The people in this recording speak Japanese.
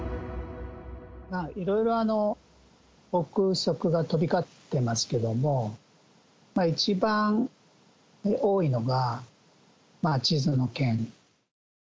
いろいろ臆測が飛び交ってますけれども、一番多いのが、地図の件。